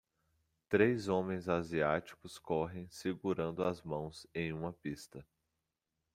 Três homens asiáticos correm segurando as mãos em uma pista.